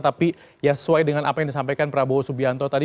tapi ya sesuai dengan apa yang disampaikan prabowo subianto tadi